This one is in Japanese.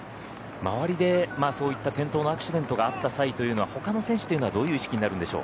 周りでそういった転倒のアクシデントがあった際というのはほかの選手というのはどういう意識になるんでしょう？